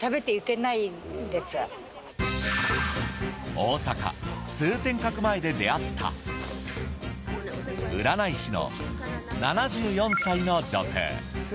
大阪・通天閣前で出会った占い師の７４歳の女性。